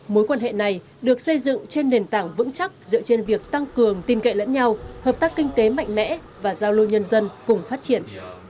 mối quan hệ này được xây dựng trên nền tảng vững chắc dựa trên việc tăng cường tin cậy lẫn nhau hợp tác kinh tế mạnh mẽ và giao lưu nhân dân cùng phát triển